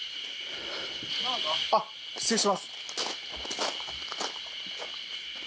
あっ失礼します。